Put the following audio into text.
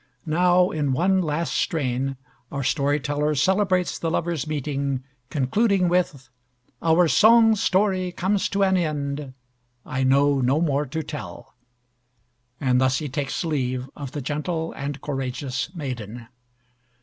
Now in one last strain our story teller celebrates the lovers' meeting, concluding with "Our song story comes to an end, I know no more to tell." And thus he takes leave of the gentle and courageous maiden.